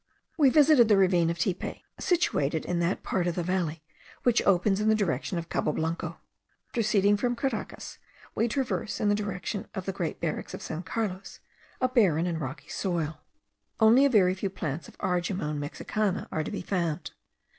We visited the ravine of Tipe, situated in that part of the valley which opens in the direction of Cabo Blanco. Proceeding from Caracas, we traverse, in the direction of the great barracks of San Carlos, a barren and rocky soil. Only a very few plants of Argemone mexicana are to be found.